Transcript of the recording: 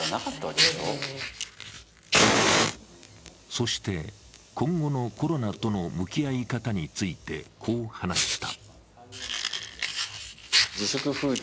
そして、今後のコロナとの向き合い方についてこう話した。